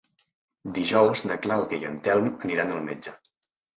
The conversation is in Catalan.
Dijous na Clàudia i en Telm aniran al metge.